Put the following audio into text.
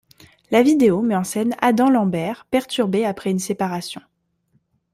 La vidéo met en scène Adam Lambert, perturbé après une séparation.